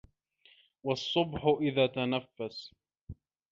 وَالصُّبحِ إِذا تَنَفَّسَ